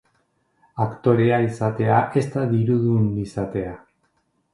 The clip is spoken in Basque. Aktorea izatea ez da dirudun izatea.